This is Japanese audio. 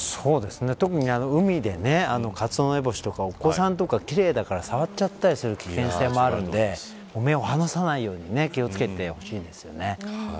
特に海でカツオノエボシとかお子さんとか、奇麗だから触っちゃったりする危険性もあるので目を離さないように気を付けてほしいですね。